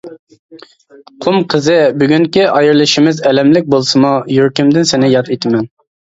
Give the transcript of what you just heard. قۇم قىزى بۈگۈنكى ئايرىلىشىمىز ئەلەملىك بولسىمۇ يۈرىكىمدىن سېنى ياد ئېتىمەن.